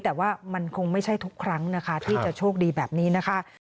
แต่ว่ามันคงไม่ใช่ทุกครั้งนะคะที่จะโชคดีแบบนี้นะคะ